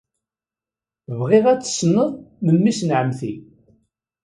Bɣiɣ ad tessneḍ memmi-s n ɛemmti.